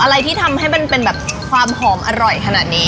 อะไรที่ทำให้เป็นภอมอร่อยขนาดนี้